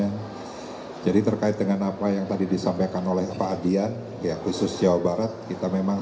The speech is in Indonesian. hai jadi terkait dengan apa yang tadi disampaikan oleh pak dian ya khusus jawa barat kita memang